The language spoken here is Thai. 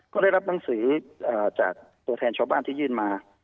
ก็ได้รับหนังสือจากตัวแทนชาวบ้านที่ยื่นมา